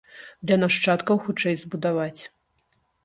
Для нашчадкаў хутчэй збудаваць.